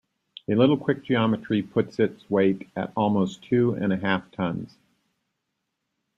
A little quick geometry puts its weight at almost two and a half tons.